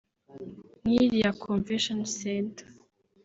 nk’iriya convention center